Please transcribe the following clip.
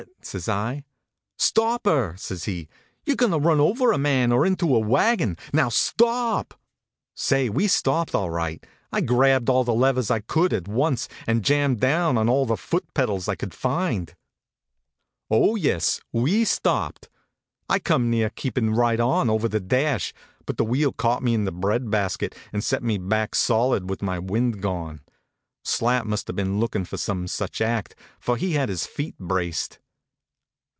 "saysl. " Stop her !" says he. You re going to run over a man, or into a wagon! Now stop!" Say, we stopped all right. I grabbed all the levers I could at once and jammed down on all the foot pedals I could find. HONK, HONK! Oh, yes, we stopped! I come near keepin right on over the dash ; but the wheel caught me in the bread basket and set me back solid with my wind gone. Slat must have been lookin for some such act; for he had his feet braced.